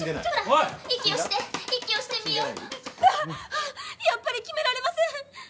あやっぱり決められません！